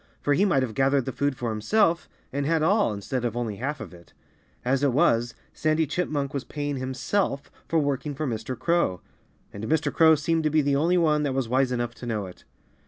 For he might have gathered the food for himself, and had all, instead of only half of it. As it was, Sandy Chipmunk was paying himself for working for Mr. Crow. And Mr. Crow seemed to be the only one that was wise enough to know it.